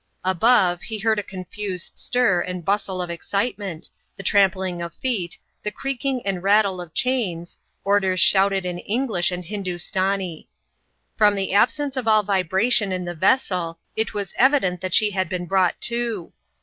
Above, he heard a confused stir and bustle of excitement, the trampling of feet, the creaking and rattle of chains, orders shouted in English and Hindustani. From the absence of all vibration, in the vessel, it was evident that she had been brought to.